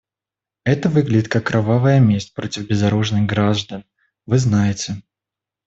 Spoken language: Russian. Это выглядит как кровавая месть против безоружных граждан, вы знаете.